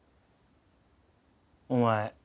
お前